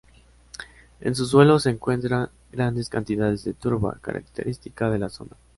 En su suelo se encuentran grandes cantidades de turba, característica de la zona.